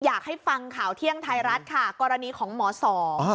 อยากให้ฟังข่าวเที่ยงไทยรัฐค่ะกรณีของหมอสอง